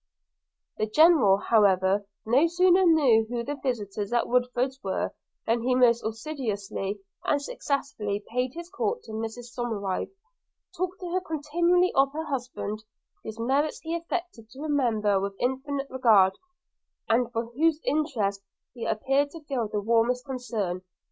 The General, however, no sooner knew who the visitors at Woodford's were, than he most assiduously and successfully paid his court to Mrs Somerive; talked to her continually of her husband, whose merits he affected to remember with infinite regard, and for whose interest he appeared to feel the warmest concern.